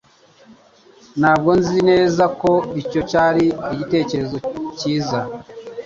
Ntabwo nzi neza ko icyo cyari igitekerezo cyiza.